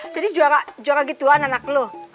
jadi juara gituan anak lo